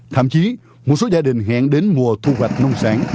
thậm chí một số gia đình hẹn đến mùa thu hoạch nông sản